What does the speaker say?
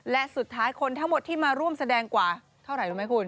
และสุดท้ายคนทั้งหมดที่มาร่วมแสดงกว่าเท่าไหร่รู้ไหมคุณ